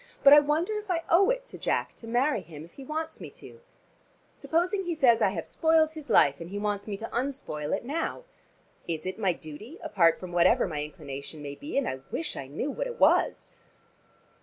But I wonder if I owe it to Jack to marry him if he wants me to? Supposing he says I have spoiled his life, and he wants me to unspoil it now? Is it my duty apart from whatever my inclination may be, and I wish I knew what it was?"